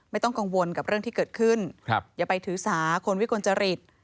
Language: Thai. ไม่ต้องกังวลกับเรื่องที่เกิดขึ้นอย่าไปถือสาคนวิกลจริต